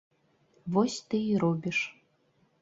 Вось ты і робіш.